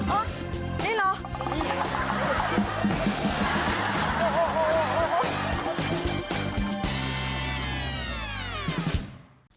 โอ๊ะเดี่ยนหรอ